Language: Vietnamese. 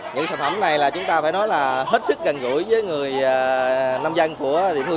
những sản phẩm này là chúng ta phải nói là hết sức gần gũi với người nông dân của địa phương